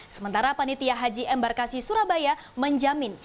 sementara panitia haji embarkasi surabaya menjamin